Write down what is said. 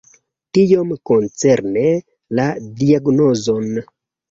Tiom koncerne la diagnozon.